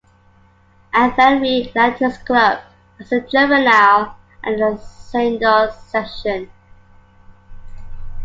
Athenry Athletics Club has a juvenile and a senior section.